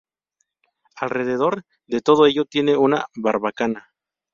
Alrededor de todo ello tiene una barbacana.